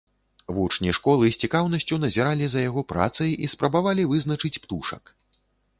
Вучні школы з цікаўнасцю назіралі за яго працай і спрабавалі вызначыць птушак.